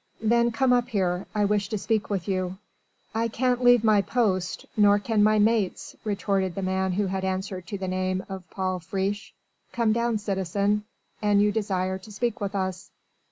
"Then come up here. I wish to speak with you." "I can't leave my post, nor can my mates," retorted the man who had answered to the name of Paul Friche. "Come down, citizen, an you desire to speak with us."